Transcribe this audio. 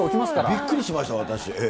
びっくりしました、私。